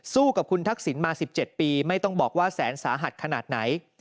กับคุณทักษิณมา๑๗ปีไม่ต้องบอกว่าแสนสาหัสขนาดไหน